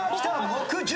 木１０。